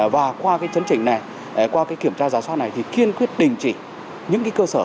và qua cái chấn trình này qua cái kiểm tra giả soát này thì kiên quyết đình chỉ những cơ sở